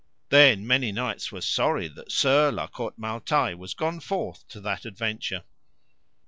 Then many knights were sorry that Sir La Cote Male Taile was gone forth to that adventure.